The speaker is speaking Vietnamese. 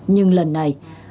nhưng lần này